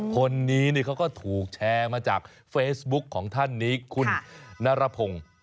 คนนี้เขาก็ถูกแชร์มาจากเฟซบุ๊คของท่านนี้คุณนรพงศ์